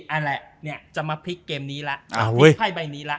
อันแหละจะมาพลิกเกมนี้ละพลิกไพ่ใบนี้ละ